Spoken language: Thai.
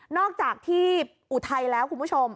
อกจากที่อุทัยแล้วคุณผู้ชม